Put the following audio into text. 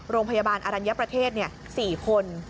โรงพยาบาลอรัญญประเทศ๔คน